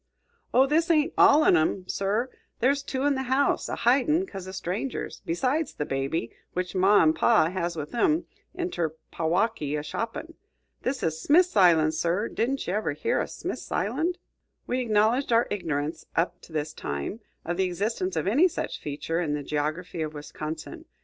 "Oh, this ain't all on 'em, sir; there's two in the house, a hidin' 'cause o' strangers, besides the baby, which ma and pa has with 'em inter Packwaukee, a shoppin'. This is Smith's Island, sir. Didn't ye ever hear o' Smith's Island?" We acknowledged our ignorance, up to this time, of the existence of any such feature in the geography of Wisconsin.